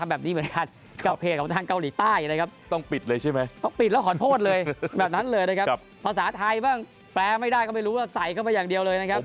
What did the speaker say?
แบบนั้นเลยนะครับภาษาไทยบ้างแปลไม่ได้ก็ไม่รู้แล้วใส่เข้าไปอย่างเดียวเลยนะครับ